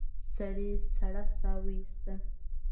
سړي سړه سا ويسته.